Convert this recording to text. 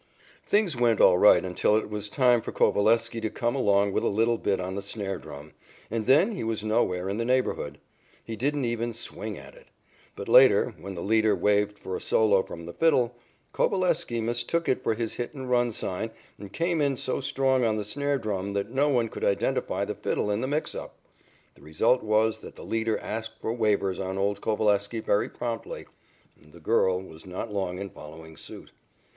Things went all right until it was time for Coveleski to come along with a little bit on the snare drum, and then he was nowhere in the neighborhood. He didn't even swing at it. But later, when the leader waved for a solo from the fiddle, Coveleski mistook it for his hit and run sign and came in so strong on the snare drum that no one could identify the fiddle in the mixup. "The result was that the leader asked for waivers on old Coveleski very promptly, and the girl was not long in following suit.